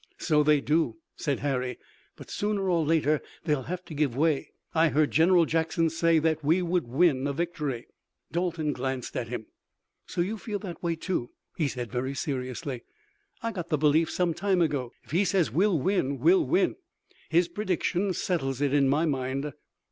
"So they do," said Harry, "but sooner or later they'll have to give way. I heard General Jackson say that we would win a victory." Dalton glanced at him. "So you feel that way, too," he said very seriously. "I got the belief some time ago. If he says we'll win we'll win. His prediction settles it in my mind."